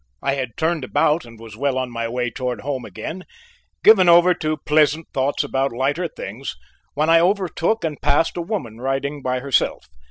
I had turned about and was well on my way toward home again, given over to pleasant thoughts about lighter things, when I overtook and passed a woman riding by herself.